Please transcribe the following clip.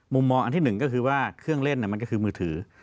มองอันที่หนึ่งก็คือว่าเครื่องเล่นมันก็คือมือถือ